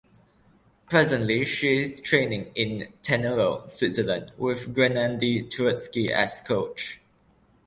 Presently, she is training in Tenero, Switzerland, with Guennadi Touretski as coach.